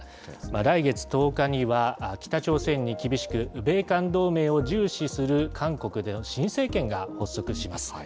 来月１０日には、北朝鮮に厳しく、米韓同盟を重視する韓国で新政権が発足します。